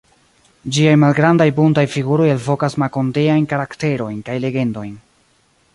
Ĝiaj malgrandaj buntaj figuroj elvokas makondeajn karakterojn kaj legendojn.